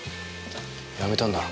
やめたんだろ。